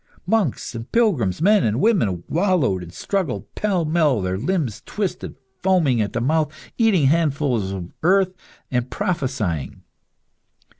Monks and pilgrims, men and women, wallowed and struggled pell mell, their limbs twisted, foaming at the mouth, eating handfuls of earth and prophesying.